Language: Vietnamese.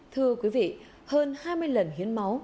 thưa quý vị hơn hai mươi lần hiến máu